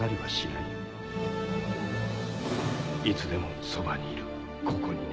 いつでもそばにいるここにね。